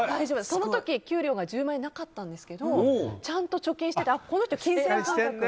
その時、給料が１０万円なかったんですけどちゃんと貯金していてこの人、金銭感覚あると。